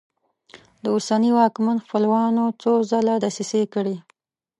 د اوسني واکمن خپلوانو څو ځله دسیسې کړي.